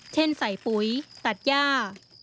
เช่นใส่ปุ๋ยตัดย่า